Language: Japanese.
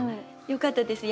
よかったです